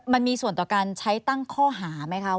มันมีส่วนต่อการใช้ตั้งข้อหาไหมคะ